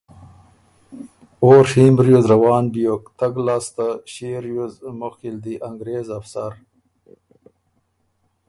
او ڒیم ریوز روان بیوک۔ تګ لاسته ݭيې ریوز مُخکی ل دی ا نګرېز افسر